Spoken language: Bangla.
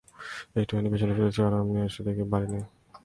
একটুখানি পিছন ফিরেছি, আর অমনি এসে দেখি বাড়ি নেই!